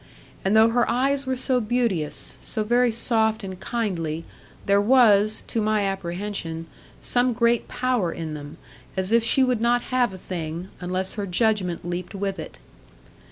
And though her eyes were so beauteous, so very soft and kindly, there was (to my apprehension) some great power in them, as if she would not have a thing, unless her judgment leaped with it.